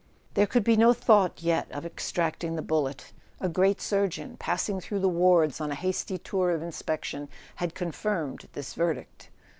There could be no thought yet of extracting the bullet; a great surgeon, passing through the wards on a hasty tour of inspection, had confirmed this verdict.